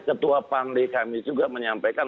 ketua pangli kami juga menyampaikan